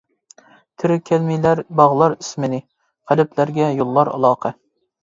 تىركەلمىلەر باغلار ئىسىمنى، قەلبلەرگە يوللار ئالاقە.